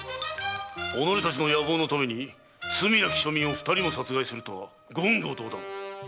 己たちの野望のために罪なき庶民を二人も殺害するとは言語道断！